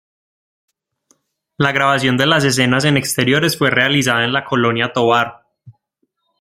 La grabación de las escenas en exteriores fue realizada en la Colonia Tovar.